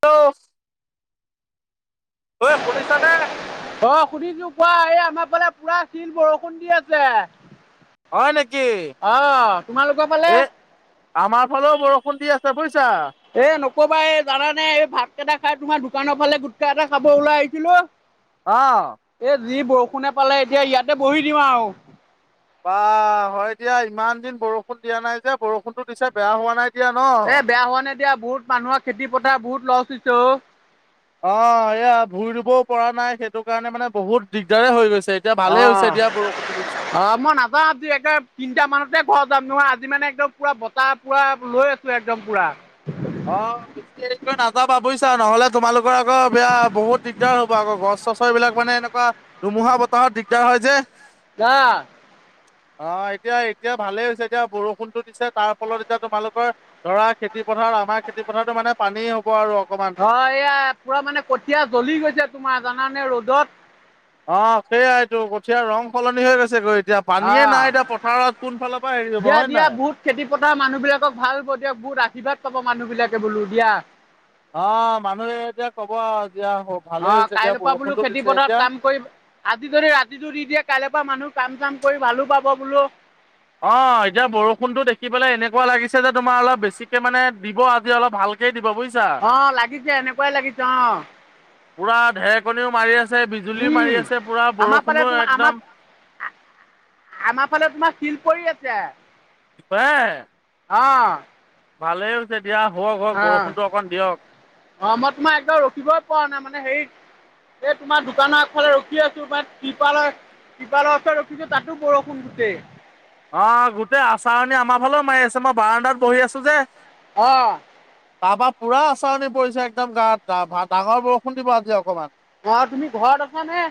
Hello. ঐ শুনিছানে অ শুনিছোঁ কোৱা? এ আমাৰ ফালে পুৰা শিল বৰষুণ দি আছে। হয় নেকি অ তোমালোকৰ ফালে এ আমাৰ ফালেও বৰষুণ দি আছে বুয়ি এ নকবা এই জানানে এই ভাতকেইটা খাই তোমাৰ দোকানৰ ফালে গুটখা এটা খাব ওলাই আহিছিলো অহ। এ যি বৰষুণে পালে এতিয়া ইয়াতে বহি দিওঁ আৱ। বা হয় দিয়া ইমান দিন বৰষুণ দিয়া নাই যে বৰষুণতো দিছে বেয়া হোৱা নাই। দিয়া ন এ বেয়া হোৱা নাই দিয়া বহুত মানুহৰ খেতি পথাৰ বহুত লছ হৈছে অ। অ এয়া ভুই ৰুবও পৰা নাই সেইটো কাৰণে মানে বহুত দিগদাৰে হৈ গৈছে এতিয়া ভালেই হৈছে অঁ দিয়া বৰষুণতো দিছে অঁ মই নাযাওঁ আজি একেবাৰে তিনটা মানতে ঘৰত যাম নহয় আজি মানে একদম পুৰা বতাহ পুৰা লৈ আছোঁ একদম পুৰা অ বেছি হেৰী কৰি নাযাবা বুয়িছা নহ'লে তোমালোকৰ আকৌ বেয়া বহুত দিগদাৰ হ আকৌ গছ চছৰ এই বিলাক মানে এনেকুৱা ধুমুহা বতাহত দিগদাৰ হয় যে আহ অ এতিয়া এতিয়া ভালেই হৈছে দিয়া বৰষুণটো দিছে তাৰ ফলত এতিয়া তোমালোকৰ ধৰা খেতি খেতিপথাৰ আমাৰ খেতিপথাৰটো মানে পানী হ'ব আৰু অকমান অ এয়া পুৰা মানে কঠিয়া জ্বলি গৈছে তোমাৰ জানানে ৰ'দত অ সেইয়াইটো কঠিয়া ৰং সলনি হৈ গৈছে গৈ এতিয়া অ পানীয়ে নাই এতিয়া পথাৰত কোনফালৰ পৰা হেৰি হ'ব দিয়া হয় দিয়া নাই বহুত খেতি পথাৰ মানুহ বিলাকক ভাল হ'ব দিয়ক বহুত আশীৰ্বাদ পাব মানুহ বিলাকে বোলো দিয়া। অ মানুহে এতিয়া ক'ব এতিয়া ভালে অ হৈছে এতিয়া কাইলৈৰ পৰা বোলো বৰষুণতো দিছে খেতিপথাৰত এতিয়া কাম কৰিব, আজি যদি ৰাতিটো দি দিয়ে কাইলে পৰা মানুহ কাম চাম কৰি ভালো পাব বোলো অ এতিয়া বৰষুণতো দেখি পেলাই এনেকুৱা লাগিছে যে তোমাৰ অলপ বেছিকে মানে দিব আজি অলপ ভাল ভালকে দিব বুয়ি অ লাগিছে এনেকুৱাই লাগিছে অ। পুৰা ঢেৰেকনিও মাৰি আছে বিজুলীও মাৰি আছে পুৰা আমাৰ ফালে বৰষুণো তোমাৰ আমাৰ একদম আমাৰ ফালে তোমাৰ শিল পৰি আছে। পাৰে অঁ। ভালে হৈছে। হওক হওক অ বৰষুণটো অকণ দিয়ক অ মই তোমাৰ একবাৰ ৰখিবই পৰা নাই মানে হেৰিত এই তোমাৰ দোকানৰ এফালে ৰখি আছো ম কপালে। কিবা ৰচ ৰখিছো তাতো বৰষুণ গটে অ গোটেই আচাৰণী আমাৰ ফালে মাৰি আছে মই বাৰাণ্ডাত বহি আছো যে। আহ। তাৰ পৰাা পুৰা আচাৰণি পৰিছে একদম গাত ডাঙৰ বৰষুণ দিব আজি অকণমান। অ তুমি ঘৰত আছ নে?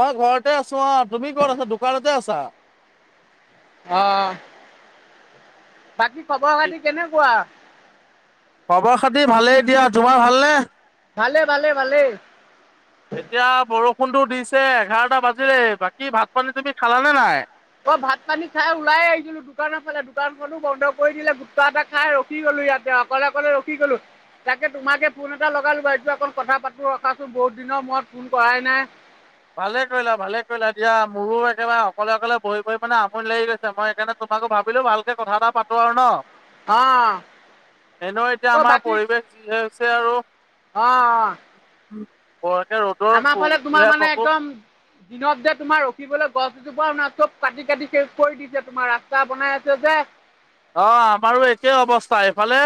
মই ঘৰতে আছো অ তুমি কত আছা দোকানতে আছা। অ বাকী খবৰ খাতি কেনেকুৱা? খবৰ খাতি ভালেই দিয়া তোমাৰ ভালনে? ভালে ভালে ভালে এতিয়া বৰষুণটো দিছে এঘাৰটা বাজিলেই বাকী ভাত পানী তুমি খালা নে নাই? মই ভাত পানী খাই ওলাই আহিছিলো দোকানৰ ফালে দোকানখনো বন্ধ কৰি দিলে গুটখা এটা খাই ৰখি গ'লো। ইয়াতে অকলে অকলে ৰখি গ'লো তাকে তোমাকে ফোন এটা লগালো বাৰু এইটো অকণ কথা পাতো ৰখাচোন বহুত দিনৰ মুৰত ফোন কৰাই নাই। ভালে কৰিলা ভালে কৰিলা দিয়া মোৰো একেবাৰে অকলে অকলে বহি বহি মানে আমনি লাগি গৈছে মই সেইকাৰণে তোমাকো ভাবিলো ভালকে কথা এটা পাতো আৰু ন। অহ এনে এতিয়া আমাৰ পৰিৱেশ য হৈছে আৰু। অ', বৰকে ৰ'দৰ আমাৰ ফালে তোমাৰ যিহে মানে প্ৰকোপ একদম দিনত যে তোমাৰ। লৈ গছ এজোপা ন চব কাটি কাটি কৰি দিছে তোমাৰ ৰাস্তা বনাই আছে যে। অ আমাৰো একেই অৱস্থা এইফালে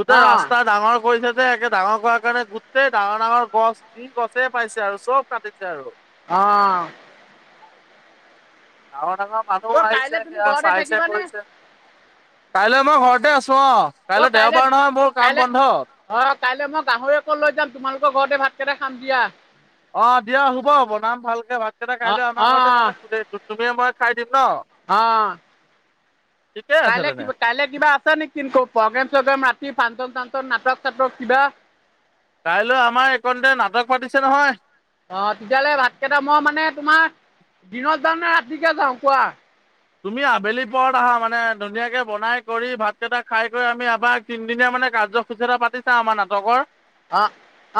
গোটেই অ', ৰাস্তা ডাঙৰ কৰিছে যে একে। ডাঙৰ কৰ কাৰণে গোটেই ডাঙৰ ডাঙৰ গছ যি গছে পাইছে আৰু চব কাটিছে আৰু। আহ ডাঙৰ ডাঙৰ মানুহো অ', আহিছে কাইলে তুমি সেয়া ঘৰতে চাইছে থাকিবানে? কৰিৈছে কাইলৈ মই ঘৰতে আছো। চ কাইলৈ দেওবাৰ নহয় মোৰ কাম কাইলৈ বন্ধ। অ' কাইলৈ মই গাহৰি অকৌ লৈ যাম তোমালোকৰ ঘৰতে ভাতকেইটা খাম দিয়া। অ দিয়া হুব বনাম ভালকে ভাতকেইটা কাইলৈ অ' আমাৰ ঘৰতে অ' ত তুমি মই। খাই দিম ন অ ঠিকে আছে কাইলৈ তেনে কিবা কাইলৈ কিবা আছে নেকিু প্ৰগ্ৰেম চগ্ৰেম ন। কি ভান্তক তান্তক নাটক চাটক কিবা। কাইলৈ আমাৰ এইকণতে নাটক পাতিছে নহয়। অ তেতিয়াহ'লে ভাতকেইটা মই মানে তোমাৰ দিনত যাওঁ নে ৰাতিকে যাওঁ কোৱা। তুমি আবেলি পৰত আহা মানে ধুনীয়াকে বনাই কৰি ভাত কেইটা খাই কৰি আমি আবাৰ তিনদিনীয়া মানে। মানে কাৰ্যসূচীতা পাতিছা আমাৰ নাটকৰ। আহ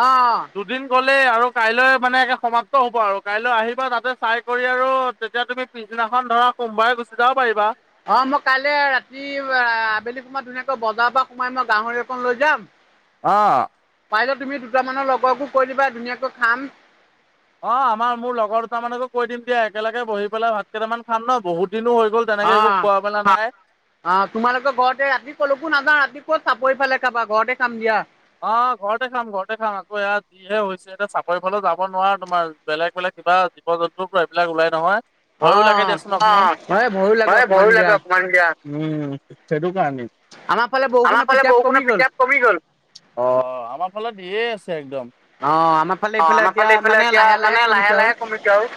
আহ দুদিন আৰু কাইলৈ মানে একে সমাপ্ত হব আৰু কাইলৈ আহিবা তাতে চাই কৰি আৰু তেতিয়া তুমি পিছদিনা। এখন ধৰা কোনমবাই গুচি যাব পাৰিবা। অ মই কাইলে ৰাতি আবেলি সোমাৰ ধুনীয়া। বজাৰ পৰা কোমাই মই গাহৰি এক লৈ যাম। অ। পাই যে তুমি দুটামানৰ লগকো কৈ দিবা ধুনীয়াকৈ খাম। অ আমাৰ মোৰ লগৰ দুটাৰ মানকো কৈ দিম দিয়া একেলগে বহি পেলাই ভাত কেইটামান খাম ন বহুত। দিনো হৈ গ'ল তেনেকে অ একো খোৱা মেলা নাই। অ তোমালোকে ঘৰতে ৰাতি কলকো নাযাওঁ ৰাতি। ক'ত চাব এইফালে কাৰোাবা ঘৰতে কাম দিয়া। অ ঘৰতে খাম ঘৰতে খাম আকৌ ইয়াত যিহে হৈছে এতিয়া চাপৰি ফালে যাব নোৱাৰো তোমাৰ বেলেগ, বেলেগ। কিবা জীৱ জন্তুৰ পৰা এইবিলাক ওলাই নহয়। অ ভয়ো লাগে দেিয়চোন অক হয় ভয়ো লাগে অকমান ভয়ো দিয়া লাগে অকমান দিয়া উম সেইটো। ফালে আমাৰ বৰষুণৰ ফালে পিকাপ বৰু কমি কুণৰ গ'ল পিত কমি গল অ আমাৰ ফালে ধ আ। একদম অ আমাৰ ফালে অ এইফালে আমাৰ এতিয়া ফালে এইফালে মানে এতিয়া লাহে মানে কমিছে লাহে আৰু লাহে কমিছ আৰু।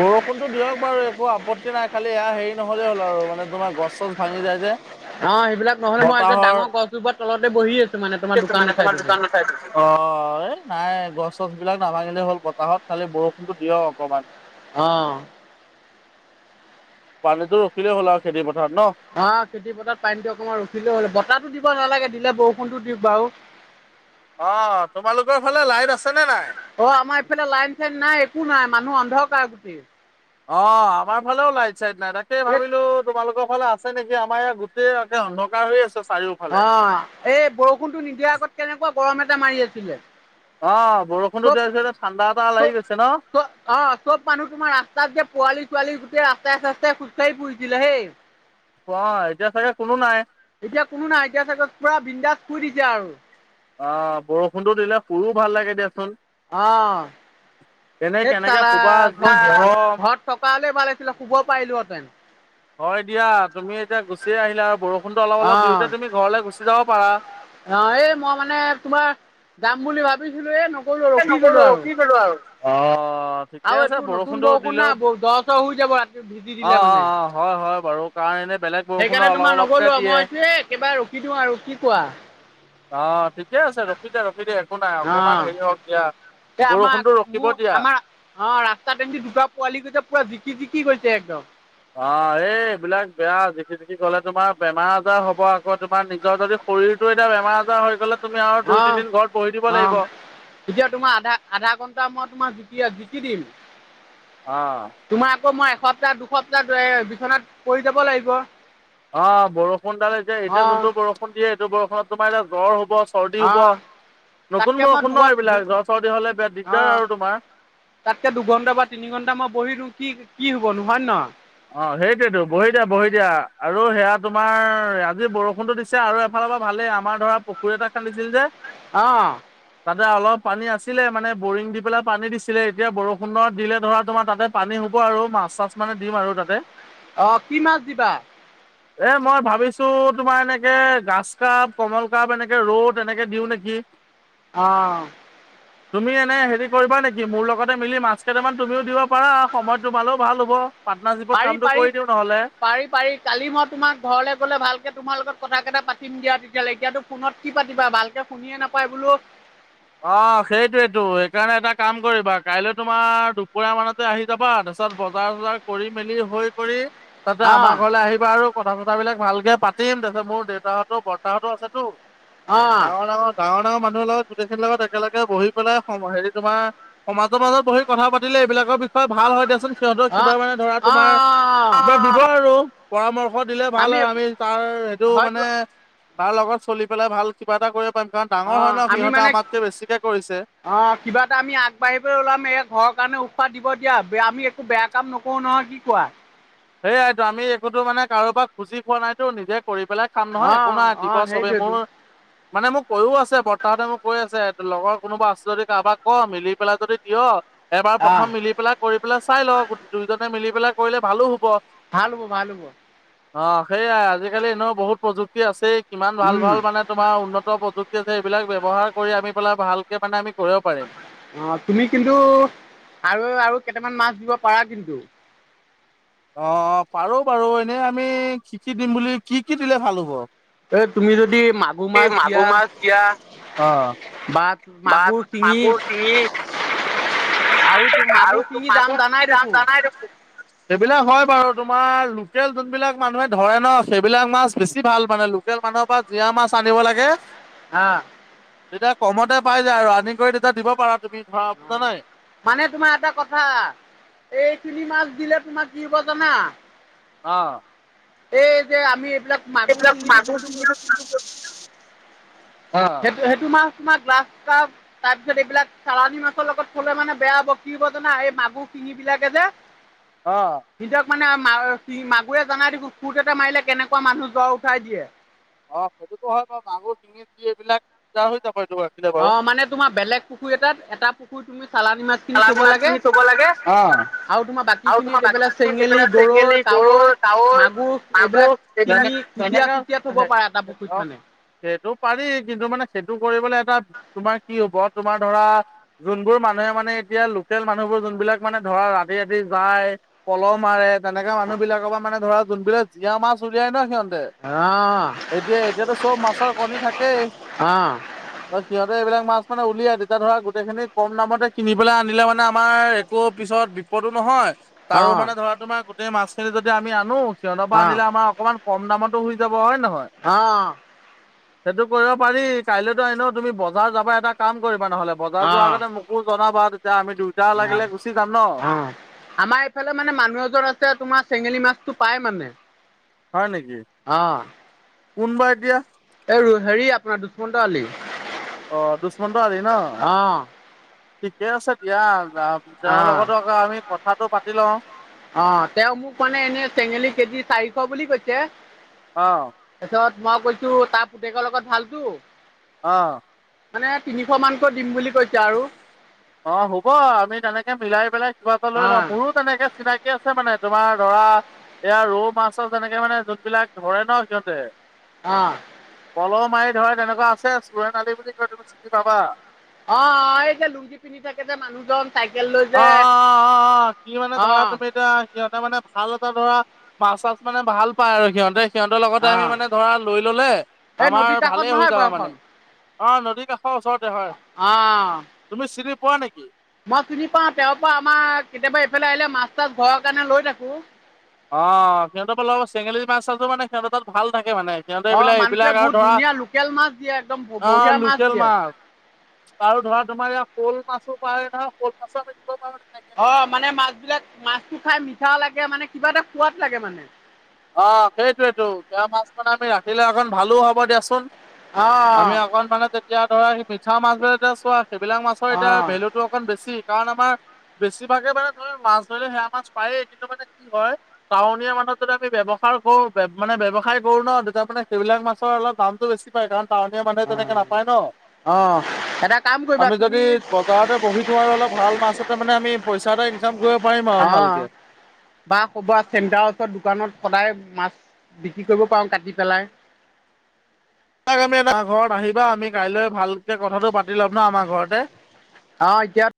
বৰষুণতো দিয়ক বাৰু একো আপত্তি নাই খালি এয়া হেৰি নহ'লেই হ'ল আৰু মানে তোমাৰ গছ চচ ভাঙি যায় যে। অ সেইবিলাক নহলে মই এক বতাহৰ ডাঙৰ গছ জোপাহ তলতে বহি আছো মানে তোমাৰ মানে দোকানৰ তোমাৰ চাইডতে দোকানৰ চাইদত [unintelligible] গছ চছ বিলাক নাভাঙিলে হল বতাহত খালি বৰষুণটো দিয়ক অকণমান। অহ পানীটো ৰখিলে হল আৰু খেতি প অ খেতি পথাৰত পানীটো অকনমান ৰখিলও হ'ল বতাহো দিব নালাগে দিলে বৰষুণটো দিক বাৰু অ তোমালোকৰ ফালে লাইট আছে নে নাই। অ আমাৰ ইফালে লাইন চাইন নাই একো নাই মানুহ অন্ধকাৰ গুতেই। অ আমাৰ ফালেও লাইট চাইট নাই তাকে এই ভাবিলো তোমালোকৰ ফালে আছে। নেকি আমাৰ ইয়াত গোটেই অ অন্ধকাৰ হৈ আছে। চাৰিওফালে। অ এই বৰষুণতটো নিদিয়া আগত কেনেকুৱা গৰম এটা মাৰি আছিলে। অ বৰষুণতো চব দে হৈছে ঠাণ্ডা এটা লাগি গৈছে ন। চ অ চব মানুহ তোমাৰ ৰাস্তাত যে পোৱালি ছোৱালি। ৰাস্ত চাস্তাই খোজ কাঢ়ি ফুইছিলে হেই। ক এতিয়া চাগে কোনো নাই। এতিয়া কোনো নাই এতিয়া চাগত পুৰা বিন্দাস শুই দিছে আৰু। অ বৰষুণতো দিলে শুইয়ো ভাল লাগে দিয়াচোন। অহ এনে সেই কেনেকে তালা শুবা যি ঘৰত গৰম। ঘ-ঘৰত থকা হলে ভাল আছিলে শুব পাৰিলো হেতেন। হয় দিয়া তুমি এতিয়া গুচিয়ে আহিলা আৰু বৰষুণতটো অলপ অ অলপ দিওঁতে তুমি ঘৰলৈ গুচি যাব পাৰা। অ এই মই মানে তোমাৰ যাম বুলি ভাবিছিলো এ ন নগলো আৰু ৰখি গলো আৰু অ। অ ঠিকে আৰু আছে এইটো নতুন বৰষুণটো বৰষুণ না দিলেও দ চৰ হৈ যাব ৰাতি ভিজি অ দিলে অ মানে। অ হয় হয় বাৰু। কাৰ এনে বেলেগ বৰষুণৰ সেইকাৰণে অলপ তোমাৰ অলপকে নগলো দিয়ে। মই এইটোৱে একেবাৰে ৰখি দিওঁ আৰু কি কোৱা? অ ঠিকে আছে ৰখি দিয়া ৰখি দিয়া একো নাই অকমান অ। হেৰি হওক দিয়া এ বৰষুণতো আমাৰ ৰখিব মোৰ দিয়া। আমাৰ অ ৰাস্তাত এহটি দুটা পোৱালি গৈছে পুৰা জী যিকি যিকি গৈছে একদম। অ এই এইবিলাক বেয়া জিকি জিকি গলে তোমাৰ বেমাৰ আজাৰ হব আকৌ তোমাৰ নিজৰ যদি শৰীৰটো এতিয়া বেমাৰ আজাৰ হৈ গ'লে তুমি আৰু অ দুই তিনদিন ঘৰত বহি দিব অ লাগিব এতিয়া তোমাৰ আধা আধা ঘন্টা মই তোমাৰ জিকি কি দিম অ', তোমাৰ আকৌ মই এসপ্তাহ দুসপ্তাহ এ বিছনাত পৰি যাব লাগিব। অ বৰষুণডাল এতিয়া অ এতিয়া যোনটো বৰষুণ দিয়ে সেইটো বৰষুণত তোমাৰ এতিয়া জ্বৰ হ'ব চৰ্দি অ হব তাতকে নতুন মই বৰষুণ দুঘ ন এইবিলাক অ জ্বৰ চৰ্দি হলে বেয়া দিগদাৰ আৰু তোমাৰ। তাতকে দুঘণ্টা বা তিনি ঘণ্টা মই বহি দিও কি কি হব নো হয় নে নহয়? অ সেইটোৱেতো বহি দিয়া বহি দিয়া আৰু সেয়া তোমাৰ আজি বৰষুণতো দিছে আৰু এফালে ভালেই আমাৰ ধৰা পুখুৰী এটা খান্দিছিল যে অহ তাতে অলপ পানী আছিলে মানে বৰিং দি পেলাই পানী দিছিলে এতিয়া বৰষুণত দিলে ধৰা তোমাৰ তাতে পানী আৰু মাছ চাছ মানে দিম আৰু তাতে। অহ কি মাছ দিবা? টো তোমাৰ এনেকে ঘাছকাপ কমলকাৰ্প এনেকে ৰৌ তেনেকে দিওঁ নেকি! আহ তুমি এনে হেৰি কৰিবা নেকি মোৰ লগতে মিলি মাছ কেইটামান তুমিও দিব পাৰা সময় তোমালেও ভাল হ'ব পা পাৰি পাৰি পাৰি পাৰি কালি মই তোমাক ঘৰলে গলে ভালকে তোমাৰ লগত। কথা কেইটা পাতিম দিয়া তেতিয়াহ'লে এতিয়াতো ফোনত কি পাতিবা ভালকে শুনিয়ে নাপায় বোলো। অ সেইটোয়েইটো সেইকাৰণে এটা কাম কৰিবা কাইলৈ তোমাৰ দুপৰীয়া মানতে আহি যাবা তাৰ পিছত বজাৰ চজাৰ কৰি মেলি হৈ কৰি তাতে অ আমাৰ ঘৰলৈ আহিবা আৰু কথা পাতিম। কথা বিলাক ভালকে পাতিম তাৰপিছত মোৰ দেওঁতাহত বৰ্তাহঁতো আছেতো অ ডাঙৰ ডাঙৰ গাঁৱৰ মানুহৰ লগত গোটেইখিনি লগত একেলগে বহি পেলাই হেৰি তোমাৰ সমাজৰ মাজত বহি কথা পাতিলে এইবিলাকৰ বিষয়ে ভাল হয় দিয়াচোন সিহঁতৰ অ অ কিবা মানে ধৰা অ তোমাৰ কিবা দিব আৰু পৰামৰ্শ দিলে ভাল আৰু আমি তাৰ সেইটো হয়তো মানে তাৰ লগত চলি পেলাই ভাল কিবা এটা কৰিব। কাৰণ ডাঙৰ হয় ন আমি সহঁত অ কিবা এটা আমি আগবাঢ়িব ওলাম এই ঘৰৰ কাৰণে উৎসাহ দিব এতিয়া আমি একো বেয়া কাম নকৰো নহয় কি কোৱা? সেইয়াইতো আমি একোতো মানে কাৰোবাক খুজি খোৱা নাইতো নিজে কৰি পেলাই খাম নহয় অ একো নাই অ দিব চৱে মোৰ সেইটোৱেতো মানে মোক কৈয়ো আছে বৰ্তাহতে মোক কৈ আছে লগৰ কোনোবা আছে যদি কাৰোবাক ক মিলি পেলাই যদি দিয় এবাৰ অ প্ৰথম মিলি পেলাই কৰি পেলাই চাই লওঁ দুয়োজনে মিলি পেলাই কৰিলে ভালো হ ভাল হব ভাল হব। অ সেইয়াই আজিকালি এনেও বহুত প্ৰযুক্তি আছেই কিমান ভাল উম ভাল মানে তোমাৰ উন্নত প্ৰযুক্তি এইবিলাক ব্যৱহাৰ কৰি আমি পেলাই ভালকে মানে আমি কৰিব পাৰিম। অ তুমি কিন্তু আৰু আৰু কেইটামান মাছ দিব পাৰা কিন্তু। অ পাৰো বাৰু এনেই আমি কি কি দিম বুলি কি কি দিলে ভাল হ'ব? এই তুমি যদি মাগুৰ এই মাছ দিয়া। মাগুৰ মাছ দিয়া অ বা বা মাগুৰ শিঙি মাগুৰ শিঙি আৰু তো মাগুৰ আৰু ত শিঙি দাম মগুৰ জানাই কি দাম দেখোন জানাই দেখোন। সেইবিলাক হয় বাৰু তোমাৰ লোকেল যোনবিলাক মানুহে ধৰে ন সেইবিলাক মাছ বেছি ভাল মানে লোকেল মাছ। ৰ পৰা জীয়া মাছ আনিব লাগে আহ তেতিয়া কমতে পাই যায় আৰু আনি কৰি তেতিয়া দিব পাৰা তুমি ধৰা বুজা নাই? মানে তোমাৰ এটা কথা এইবিলাক মাছ দিলে তোমাক কি হব জানা? অ এই যে আমি এইবিলাক মাগুৰ এইবিলাক শিঙিটো মাগুৰ শিঙি জোনটো। অ সেইটো সেইটো মাছ তোমাৰ গ্ৰাস তাৰপিছত এইবিলাক চালানী মাছৰ লগত থলে মানে বেয়া হব কি হব জানা এই মাগুৰ চিঙিবলাকে যে অ সিহঁতক মানে মাগুেৱে জনাই সুট এটা মাৰিলে কেনেকুৱা মানুহ জ্বৰ উঠাই দিয়ে। অ সেইটোতো হয় বাৰু মাগুৰ শিঙি দি এইবিলাক হৈ যাব। এইটো ৰাখিলে অ বাৰু। মানে তোমাৰ বেলেগ পুখুৰী এটাত এটা পুখুৰীত চালানি মাছখিনি থব লাগে আৰু তোমাৰ আৰু বাকীখিনিত তোমাৰ এইবিলাক বাকি চেঙেলী, যি গৰৈ, চেঙেলি কাৱৈ গৰৈ কাৱৈ মাগুৰ এইবিলাক মাগুৰ শিঙি কুচিয়া তেনেকা চুচিয়া থব পাৰা এটা পুখুৰীত অ মানে। সেইটো পাৰি কিন্তু মানে সেইটো কৰিবলৈ এটা তোমাৰ কি হব তোমাৰ ধৰা যোনবোৰ মানুহে মানে এতিয়া লোকেল মানুহবোৰ যোনবিলাক মানে ধৰা ৰাতি ৰাতি যায় পলহ মাৰে তেনেকা মানুহ বিলাকৰ পৰা মানে ধৰা যোনবোৰ জীয়া মাছ উলাই ন অ', এতিয়া এতিয়াতো চব মাছৰ কণী থাকেই অ', ত সিহঁতে এইবিলাক মাছ মানে উলিয়াই তেতিয়া ধৰা গোটেইখিনি কম দামতে কিনিব আনিলে মানে আমাৰ একো পিছত বিপদো নহয় তাৰো অ', মানে ধৰা তোমাৰ গ গোটেই মাছখিনি আমি আনো সিহঁতৰ পৰা অ', আনিলে আমাৰ অকণমান কম দামতো হৈ যাব হয় নহয় অ', সেইটো কৰিব পাৰি কাইলৈতো এনেও তুমি বজাৰ যাবা এটা কাম কৰিবা, নহলে বজাৰ অ', যোৱাৰ আগতে মোকো জনাবা। তেতিয়া আমি দুইটা অ লাগিলে গুচি যাম ন অ আমাৰ এইফালে মানে মানুহ এজন আছে তোমাৰ চেঙেলী মাছটো পাই মানে হয় নেকি অ', কোনবা এতিয়া। অ হেৰি আপোনাৰ দুষ্মন্ত আলি। অ দুষ্মন্ত আলি ন অ', ঠিকে আছে। এতিয়া যা তেওঁৰ অ', লগতো আকৌ আমি কথাটো পাতি লওঁ। অ তেওঁ মোক মানে এনে চেঙেলী কেজি চাৰিশ বুলি কৈছে। অহ। তাৰপিছত মই কৈছো তাৰ পুতেকৰ লগত ভালতো। অহ। মানে তিনিশ মানকৈ দিম বুলি। কৈছে আৰু। অ হ'ব আমি তেনেকে মিলাই মেলি। লৈ লওঁ অ', মোৰো তেনেকে চিনাকি আছে মানে। তোমাৰ ধৰা এয়া ৰৌ মাছৰ তেনেকে মানে জোন বিলাক ধৰে ন সিহঁতে। অহ। পলহ মাৰি ধৰে তেনেকুৱা আছে চোৰেনদী বুলি কয় তুমি চিনি পাবা। অ এই যে লুংগি পিন্ধি থাকে যে মানুহজন। চাইকেল লৈ অ যে অ অ অ কি মানে ধৰা অ', তুমি এতিয়া সিহঁতে মানে ভাল এটা ধৰা। মাছ চাছ মানে ভাল পায় আৰু সিহঁতে। সিহঁতৰ লগতে আমি অ', মানে ধৰা লৈ ললে এই আমাৰ নদীৰ ভালে কাষত হৈ নহয় যাব মানে ঘৰখন অ নদী কাষ অ ওচৰতে হয় অ', তুমি চিনি পোৱা নেকি? মই চিনি পাও তেওঁৰ পৰা আমাৰ কেতিয়াবা এইফালে আহিলে মাছ চাছ ঘৰৰ কাৰণে লৈ থাকো। অ সিহঁতৰ বোলে চেঙেলী মাছ চলো মানে সিহঁতে তাত ভাত নে। তাকে মানে সিহঁতে অ', এইবিলাক মানুহটোৱে এইবিলাক আৰু বহুত ধৰা ধুনীয়া লোকেল মাছ দিয়ে একদম অ বঢ়িয়া লোকেল দিয়ে মাছ। আৰু ধৰা তোমাৰ ইয়াৰ শ'ল মাছো পায় নহয় শ'ল মাছৰ। অ মানে মাছ বিলাক মাছটো খাই মিঠা লাগে মানে কিবা এটা সোৱাদ লাগে মানে। অ সেইটোৱেটো মাছখন আমি ৰাখিলে কন ভালো হ'ব দিয়াচোন। আমি অ', অকণ মানে তেতিয়া ধৰা মিঠা মাছবোৰ এ চোৱা। সেইবিলাক মাছৰ এতিয়া অ', ভেলুটো অকণ বেছি কাৰণ আমাৰ। বেছিভাগে মানে মাছ ধৰিলে সেয়া মাছ পায়েই কিন্তু মানে কি হয় টাউনীয়া মানুহ যদিহে। আমি ব্যৱসাৰ কৰো মানে ব্যৱসায় কৰো ন তেতিয়া মানে সেইবিলাক মাছৰ অলপ দামটো বেছি পায় কাৰণ। টাউনীয়া মানুহে অ', যেনেকে নাপায় ন। অ', এটা কাম কৰিবা আমি তুমি যদি বজাৰতে বহি দিওঁ আৰু অলপ ভাল মাছ এটা মানে আমি পইচা পাই। কাম কৰিব পাৰিম আৰু অ', ভালকে। বা ক'বা চেণ্টাৰ ওচৰত দোকান। সদায় মাছ বিক্ৰী কৰিব পাৰো কাটি পেলাই। তাক আমি ঘৰত আহিবা আমি কাইলৈ ভালকে কথাটো পাতি ল'ম ন আমাৰ ঘৰতে। অহ এতিয়া।